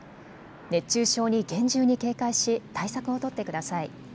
熱中症に厳重に警戒し対策を取ってください。